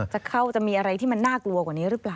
จะเข้าจะมีอะไรที่มันน่ากลัวกว่านี้หรือเปล่า